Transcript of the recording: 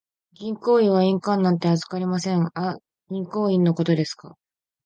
銀行員は印鑑なんて預かりません。あ、銀行印のことですか。